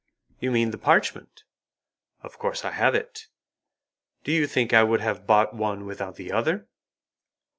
"You mean the parchment. Of course I have it; do you think I would have bought one without the other?"